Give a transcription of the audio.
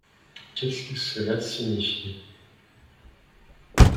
Qu’est-ce que cela signifie?